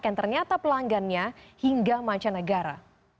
yang ternyata pelanggannya hingga mancanegara